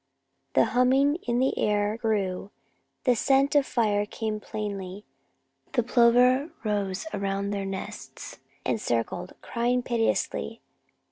The humming in the air grew, the scent of fire came plainly. The plover rose around their nests and circled, crying piteously.